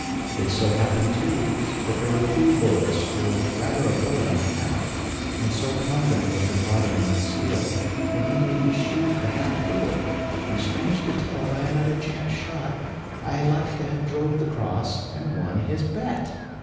It so happened, too, that there were but two bullets, or, rather, a bullet and a half; and so confident was your father in my skill, that he made me shoot the half bullet; and, strange to tell, by another chance shot, I like to have drove the cross and won his bet."